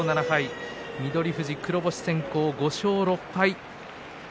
翠富士、黒星先行５勝６敗。